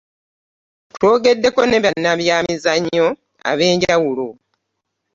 Twogeddeko ne bannabyamizannyo ab'enjawulo.